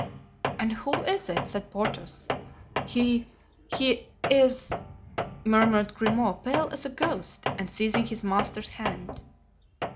"And who is it?" said Porthos. "He—he—is——" murmured Grimaud, pale as a ghost and seizing his master's hand.